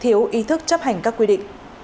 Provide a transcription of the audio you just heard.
thiếu ý thức chấp hành các quy định